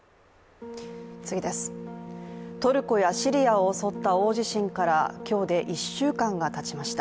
トルコやシリアを襲った大地震から今日で１週間がたちました。